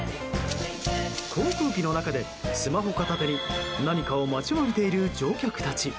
航空機の中で、スマホ片手に何かを待ちわびている乗客たち。